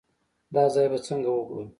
دا ځای به څنګه وګورو.